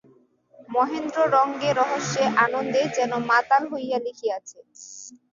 মহেন্দ্র রঙ্গে রহস্যে আনন্দে যেন মাতাল হইয়া লিখিয়াছে।